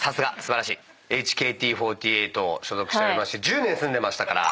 「ＨＫＴ４８」所属してまして１０年住んでましたから。